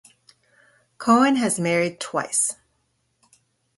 Cohen has married twice.